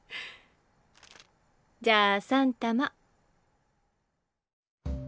じゃあ３玉。